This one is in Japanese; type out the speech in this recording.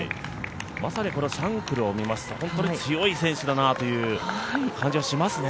まさにシャンクルを見ますと本当に強い選手だなという感じがしますね。